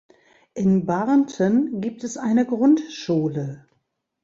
In Barnten gibt es eine Grundschule.